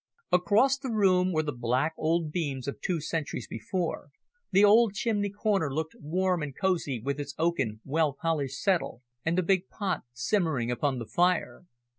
Across the room were the black old beams of two centuries before, the old chimney corner looked warm and cosy with its oaken, well polished settle, and the big pot simmering upon the fire.